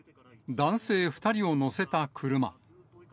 男性２人を乗せた車。